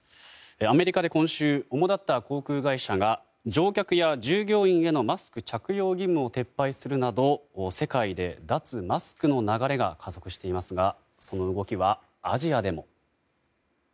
アメリカで今週主だった航空会社が乗客や従業員へのマスク着用義務を撤廃するなど世界で脱マスクの流れが加速していますがその動きはアジアでも。